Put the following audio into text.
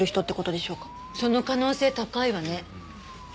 その可能性高いわね。